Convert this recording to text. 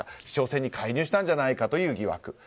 市長選に介入したんじゃないかという疑惑。